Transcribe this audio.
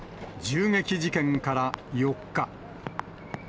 銃撃事件から４日。